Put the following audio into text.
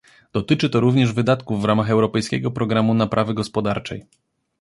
Dotyczy to również wydatków w ramach europejskiego programu naprawy gospodarczej